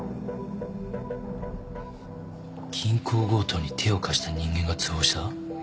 銀行強盗に手を貸した人間が通報した？